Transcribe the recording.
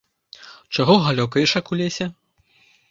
Чаго галёкаеш, як у лесе!